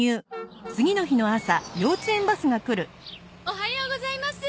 おはようございます。